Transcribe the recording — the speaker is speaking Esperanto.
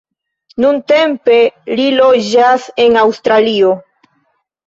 Nuntempe li loĝas en Aŭstralio.